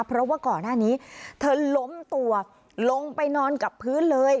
เพราะว่าก่อนหน้านี้เธอล้มตัวลงไปนอนกับพื้นเลย